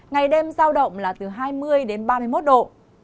ngày đêm giao động là từ hai mươi đến ba mươi một độ